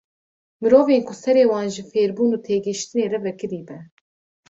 Mirovên ku serê wan ji fêrbûn û têgehîştinê re vekirî be.